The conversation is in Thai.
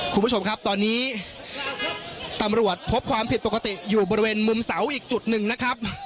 คุณผู้ชมครับตอนนี้ตำรวจพบความผิดปกติอยู่บริเวณมุมเสาอีกจุดหนึ่งนะครับ